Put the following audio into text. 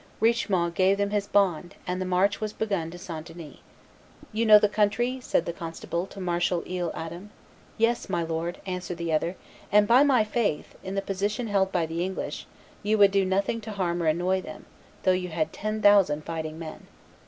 Richemont gave them his bond; and the march was begun to St. Denis. "You know the country?" said the constable to Marshal Isle Adam. "Yes, my lord," answered the other; "and by my faith, in the position held by the English, you would do nothing to harm or annoy them, though you had ten thousand fighting men."